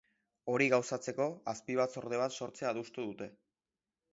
Hori gauzatzeko, azpibatzorde bat sortzea adostu dute.